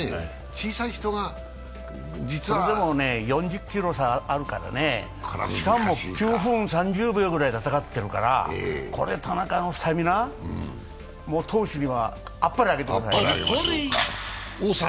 小さい人が実はそれでも４０ｋｇ差あるからね、しかも９分３０秒くらい戦ってるからこれ、田中のスタミナ、闘志にはあっぱれをあげてください。